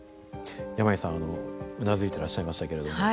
山井さんうなずいていらっしゃいましたけれども。